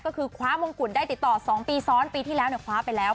ก็คือคว้ามงกุฎได้ติดต่อ๒ปีซ้อนปีที่แล้วคว้าไปแล้ว